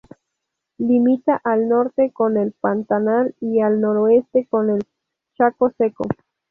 Limita al norte con el Pantanal y al noroeste con el Chaco Seco.